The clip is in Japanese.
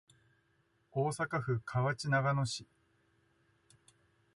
大阪府河内長野市